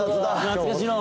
懐かしの。